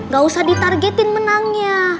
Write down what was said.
gak usah ditargetin menangnya